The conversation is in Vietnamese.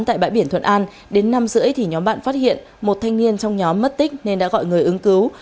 thuận an đến năm rưỡi thì nhóm bạn phát hiện một thanh niên trong nhóm mất tích nên đã gọi người ứng cứu